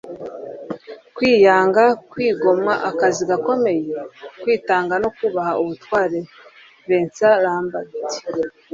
kwiyanga, kwigomwa akazi gakomeye, kwitanga no kubaha ubutware.” - Vince Lombardi